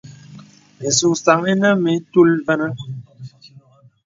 Ìsùksaŋ ìnə mə ìtul və̄nə̄.